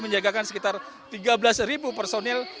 menjagakan sekitar tiga belas personil